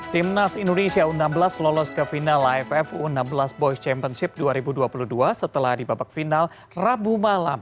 timnas indonesia u enam belas lolos ke final aff u enam belas boys championship dua ribu dua puluh dua setelah di babak final rabu malam